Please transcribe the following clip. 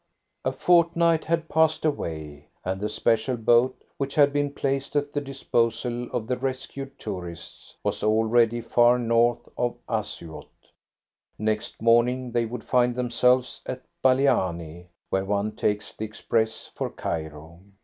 A fortnight had passed away, and the special boat which had been placed at the disposal of the rescued tourists was already far north of Assiout. Next morning they would find themselves at Baliani, where one takes the express for Cairo.